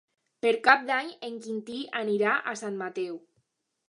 Per Cap d'Any en Quintí anirà a Sant Mateu.